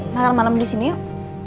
makan malam disini yuk